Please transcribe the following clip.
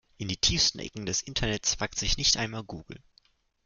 In die tiefsten Ecken des Internets wagt sich nicht einmal Google.